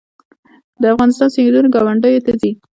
د افغانستان سیندونه ګاونډیو ته ځي